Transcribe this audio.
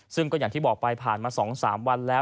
ซึ่งก็อย่างที่บอกไปผ่านมา๒๓วันแล้ว